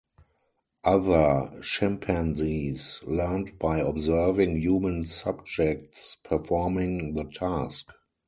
Other chimpanzees learned by observing human subjects performing the task.